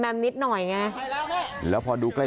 เพื่อนบ้านเจ้าหน้าที่อำรวจกู้ภัย